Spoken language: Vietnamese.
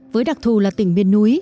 với đặc thù là tỉnh biên núi